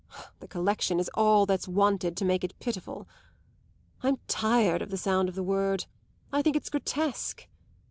The collection is all that's wanted to make it pitiful. I'm tired of the sound of the word; I think it's grotesque.